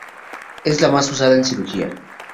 Es la más usada en cirugía.